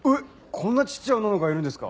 こんなちっちゃい女の子がいるんですか？